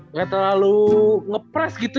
nggak terlalu nge press gitu